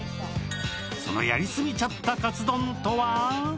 そのやりすぎちゃったカツ丼とは？